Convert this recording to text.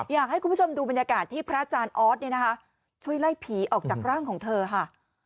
อยากให้คุณผู้ชมดูบรรยากาศที่พระอาจารย์ออสเนี่ยนะคะช่วยไล่ผีออกจากร่างของเธอค่ะ